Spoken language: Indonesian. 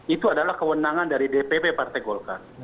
itu adalah kewenangan dari dpp partai golkar